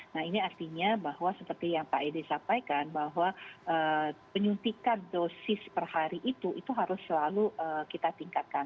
nah ini artinya bahwa seperti yang pak edi sampaikan bahwa penyuntikan dosis per hari itu itu harus selalu kita tingkatkan